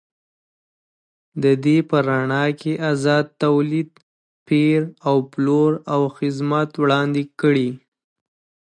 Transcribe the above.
د دې په رڼا کې ازاد تولید، پېر او پلور او خدمات وړاندې کړي.